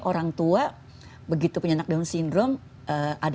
orang tua begitu punya down syndrome